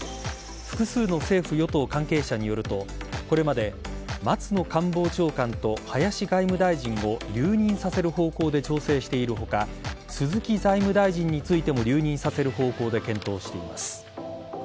複数の政府与党関係者によるとこれまで松野官房長官と林外務大臣を留任させる方向で調整している他鈴木財務大臣についても留任させる方向で検討しています。